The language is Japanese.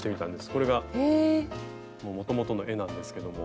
これがもともとの絵なんですけども。